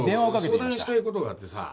相談したい事があってさ。